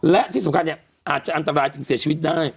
และที่สำคัญเนี่ยอาจจะอันตรายถึงเสียชีวิตได้